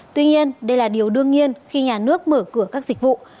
tuy nhiên đây là điều đương nhiên khi nhà nước mở cửa các dịch vụ